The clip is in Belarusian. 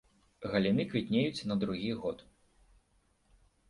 Галіны квітнеюць на другі год.